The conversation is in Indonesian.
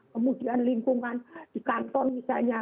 kemudian lingkungan di kantor misalnya